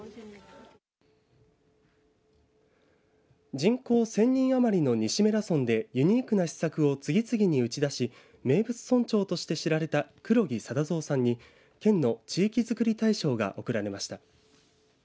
人口１０００人余りの西米良村でユニークな施策を次々に打ち出し名物村長として知られた黒木定蔵さんに県の地域づくり大賞が贈られました。